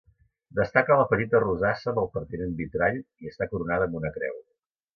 Destaca la petita rosassa amb el pertinent vitrall i està coronada amb una creu.